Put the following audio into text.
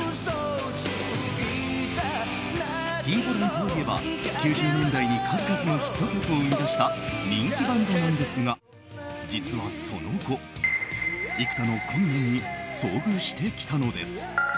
Ｔ‐ＢＯＬＡＮといえば９０年代に数々のヒット曲を生み出した人気バンドなんですが実はその後幾多の困難に遭遇してきたのです。